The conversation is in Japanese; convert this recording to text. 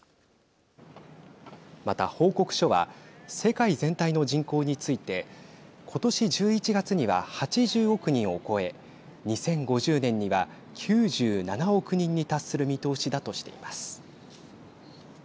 また、報告書は世界全体の人口についてことし１１月には８０億人を超え２０５０年には９７億人に達する見通しだとしています。